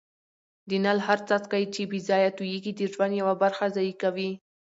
د نل هر څاڅکی چي بې ځایه تویېږي د ژوند یوه برخه ضایع کوي.